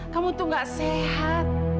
kamu tuh gak sehat